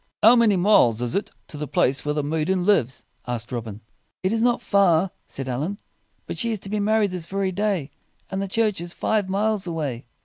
"How many miles is it to the place where the maiden lives?" asked Robin. "It is not far," said Allin. "But she is to be married this very day, and the church is five miles away."